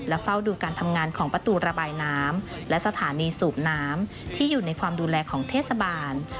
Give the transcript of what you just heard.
เฝ้าดูการทำงานของประตูระบายน้ำและสถานีสูบน้ำที่อยู่ในความดูแลของเทศบาล